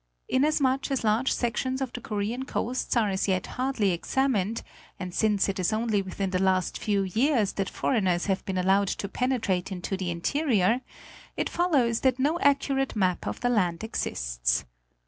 Inasmuch as large sections of the Korean coasts are as yet hardly examined, and since it is only within the last few years that for eigners have been allowed to penetrate into the interior, it follows that no accurate map of the land exists.